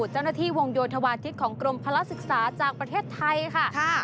เจ้าหน้าที่วงโยธวาทิศของกรมพลักษึกษาจากประเทศไทยค่ะ